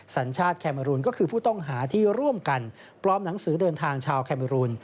สัญชาติแคเมอรูนก็คือผู้ต้องหาที่ร่วมกันปลอมหนังสือเดินทางชาวแคเมอรูน